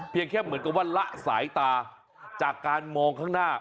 แค่เหมือนกับว่าละสายตาจากการมองข้างหน้า